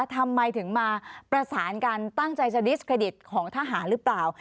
ทำไมถึงมาประสานกันตั้งใจจะดิสเครดิตของทหารหรือเปล่า